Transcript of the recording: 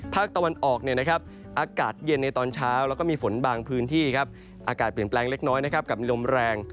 ภาคตะวันออกอากาศเย็นในตอนเช้าแล้วก็มีฝนบางพื้นที่อากาศเปลี่ยนแปลงเล็กน้อยกับลมแรง